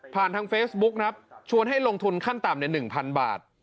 ทางเฟซบุ๊คครับชวนให้ลงทุนขั้นต่ำใน๑๐๐๐บาท